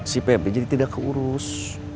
si pmp jadi tidak keurus